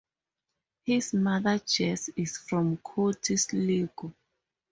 His mother Jess is from County Sligo.